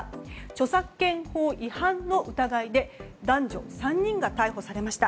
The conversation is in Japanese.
著作権法違反の疑いで男女３人が逮捕されました。